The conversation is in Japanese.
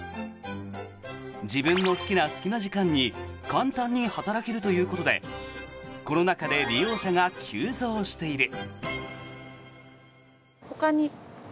自分の好きな隙間時間に簡単に働けるということでコロナ禍で利用者が急増している。